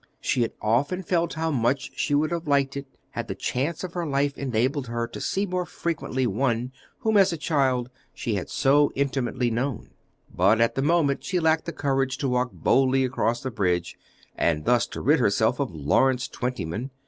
She had often felt how much she would have liked it had the chance of her life enabled her to see more frequently one whom as a child she had so intimately known. But at the moment she lacked the courage to walk boldly across the bridge, and thus to rid herself of Lawrence Twentyman.